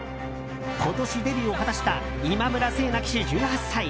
今年デビューを果たした今村聖奈騎手、１８歳。